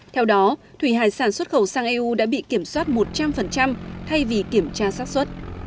theo đó thủy hải sản xuất khẩu sang eu đã bị kiểm soát một trăm linh thay vì kiểm tra sát xuất